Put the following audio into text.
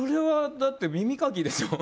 だって耳かきでしょ。